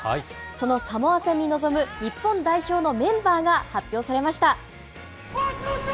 そのサモア戦に臨む日本代表のメンバーが発表されました。